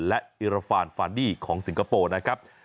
และอิราฟานฟานดี้ของสิงคโปร์นะครับ